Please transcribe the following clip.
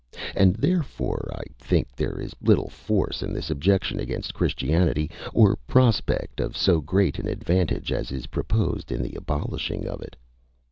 And therefore I think there is little force in this objection against Christianity, or prospect of so great an advantage as is proposed in the abolishing of it.